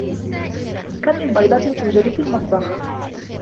كم من بيضة توجد في المطبخ ؟